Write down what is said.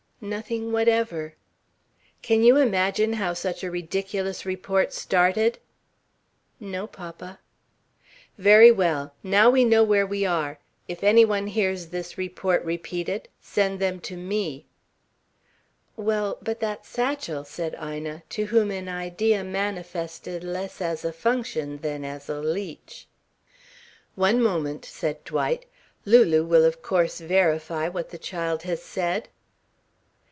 "Nothing whatever." "Can you imagine how such a ridiculous report started?" "No, papa." "Very well. Now we know where we are. If anyone hears this report repeated, send them to me." "Well, but that satchel " said Ina, to whom an idea manifested less as a function than as a leech. "One moment," said Dwight. "Lulu will of course verify what the child has said."